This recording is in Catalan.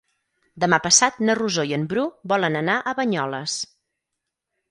Demà passat na Rosó i en Bru volen anar a Banyoles.